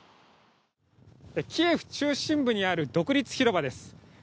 キエフ中心部にある独立広場です。